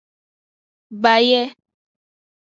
Baye.